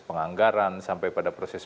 penganggaran sampai pada proses